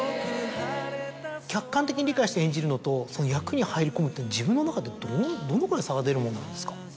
客観的に理解して演じるのとその役に入り込むのって自分の中でどのくらい差が出るものなんですか？